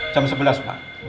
jam sebelas pak